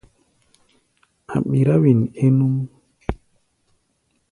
A̧ ɓirá wen é núʼm.